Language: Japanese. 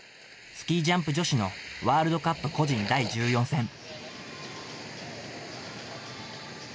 スキージャンプ女子のワールドカップ個人第１４戦。